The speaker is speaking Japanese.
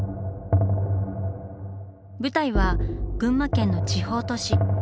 舞台は群馬県の地方都市。